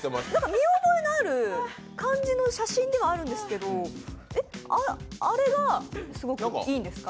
見覚えのある感じの写真ではあるんですけどえっ、あれがいいんですか？